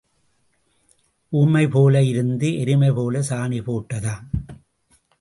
ஊமை போல இருந்து எருமை போலச் சாணி போட்டதாம்.